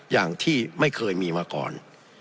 อย่างที่ไม่เคยมีมาก่อน